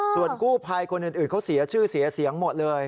ส่วนกู้ภัยคนอื่นเขาเสียชื่อเสียเสียงหมดเลย